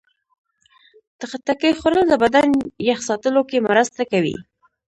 د خټکي خوړل د بدن یخ ساتلو کې مرسته کوي.